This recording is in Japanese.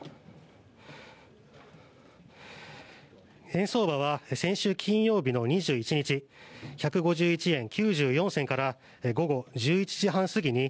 円相場は先週金曜日の２１日１５１円９４銭から午後１１時半過ぎに